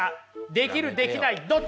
できるできないどっち？